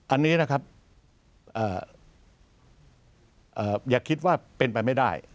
อันนี้อย่าคิดว่าเป็นไปไม่ได้